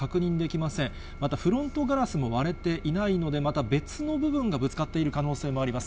またフロントガラスも割れていないので、また別の部分がぶつかっている可能性もあります。